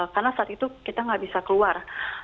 karena saat itu kita gak bisa keluar